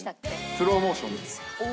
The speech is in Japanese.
『スローモーション』です。